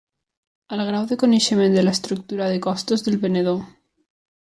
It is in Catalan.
El grau de coneixement de l'estructura de costos del venedor.